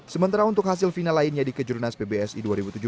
sementara untuk hasil final lainnya di kejurnas pbsi dua ribu tujuh belas